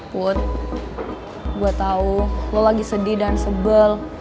put gue tau lo lagi sedih dan sebel